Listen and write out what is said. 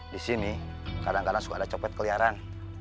di sini kadang kadang suka ada copet keliaran